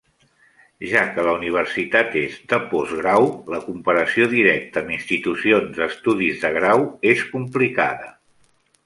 Ja que la universitat és de postgrau, la comparació directa amb institucions d'estudis de grau és complicada.